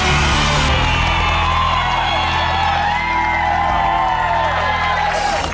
ถูกครับ